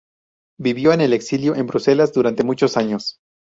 Vivió en el exilio en Bruselas durante muchos años.